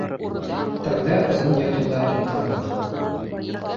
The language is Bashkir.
Тәүҙә Оҙонъятыуҙа туҡтаныҡ.